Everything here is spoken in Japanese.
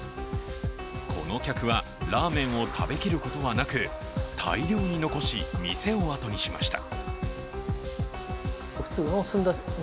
この客は、ラーメンを食べきることはなく大量に残し店を後にしました。